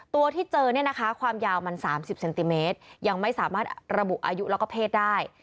ตัวที่เจอเนี่ยนะคะความยาวมัน๓๐เซนติเมตรยังไม่สามารถระบุอายุแล้วก็เพศได้